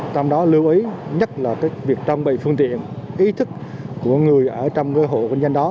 trong đó lưu ý nhất là việc trang bị phương tiện ý thức của người ở trong hộ quân dân đó